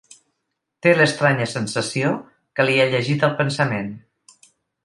Té l'estranya sensació que li ha llegit el pensament.